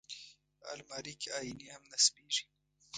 الماري کې آیینې هم نصبېږي